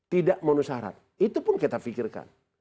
tidak menusarat itu pun kita pikirkan